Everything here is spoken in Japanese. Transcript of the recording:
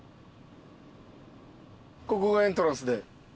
ここがエントランスで。